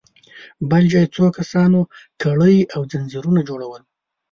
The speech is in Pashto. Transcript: بل ځای څو کسانو کړۍ او ځنځيرونه جوړل.